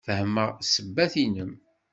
Fehmeɣ ssebbat-inem.